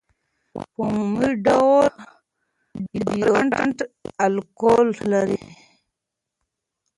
په عمومي ډول ډیوډرنټ الکول لري.